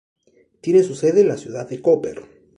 Tiene su sede en la ciudad de Koper.